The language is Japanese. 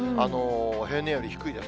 平年より低いです。